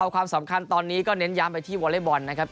ความสำคัญตอนนี้ก็เน้นย้ำไปที่วอเล็กบอลนะครับ